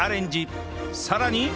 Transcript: さらに